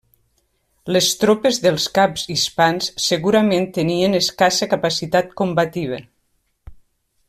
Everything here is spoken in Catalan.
Les tropes dels caps hispans segurament tenien escassa capacitat combativa.